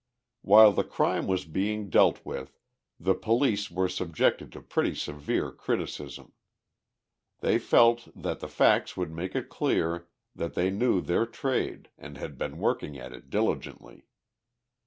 While the crime was being dealt with, the police were subjected to pretty severe criticism. They felt that the facts would make it clear that they knew their trade and had been working at it diligently.